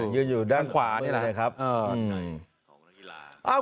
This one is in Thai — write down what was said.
ยืนอยู่ด้านขวานี่แหละครับ